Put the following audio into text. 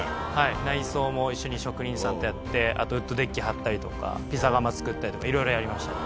内装も一緒に職人さんとやってあとウッドデッキ張ったりとかピザ窯つくったりとかいろいろやりましたね。